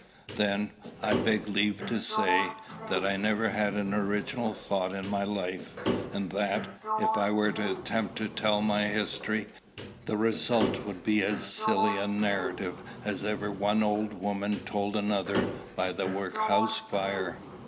"Then, I beg leave to say, that I never had an original thought in my life; and that, if I were to attempt to tell my history, the result would be as silly a narrative as ever one old woman told another by the workhouse fire."